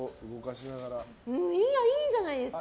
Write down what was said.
いいんじゃないですか。